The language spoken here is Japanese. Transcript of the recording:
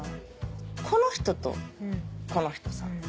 この人とこの人さ